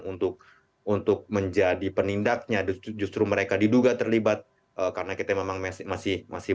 untuk untuk menjadi penindaknya justru mereka diduga terlibat karena kita memang masih masih